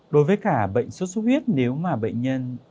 đối với cả bệnh sốt xuất huyết nếu mà bệnh nhân